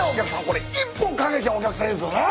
これ１本掛けちゃうお客さんいるんすよね。